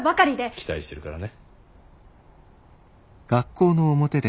期待してるからね。